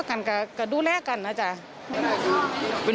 มันน่ากลัวครับ